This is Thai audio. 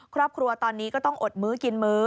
ครอบครัวตอนนี้ก็ต้องอดมื้อกินมื้อ